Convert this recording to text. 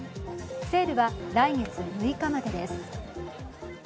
セールは来月６日までです。